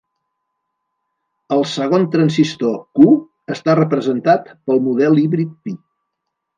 El segon transistor "Q" està representat pel model híbrid pi.